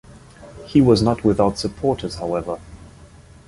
He was not without supporters, however.